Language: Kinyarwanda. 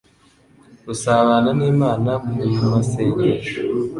Gusabana n'Imana mu masengesho,